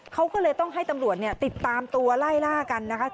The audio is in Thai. เขาก็เลยต้องให้ตำรวจเนี่ยติดตามตัวไล่ล่ากันนะคะ